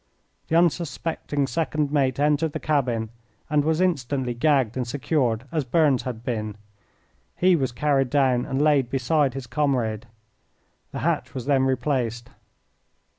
The unsuspecting second mate entered the cabin, and was instantly gagged and secured as Burns had been. He was carried down and laid beside his comrade. The hatch was then replaced.